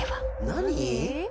「何？」